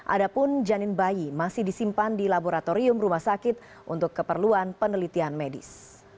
adapun janin bayi masih disimpan di laboratorium rumah sakit untuk keperluan penelitian medis